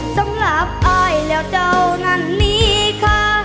สำหรับอายแล้วเจ้านั้นมีค่ะ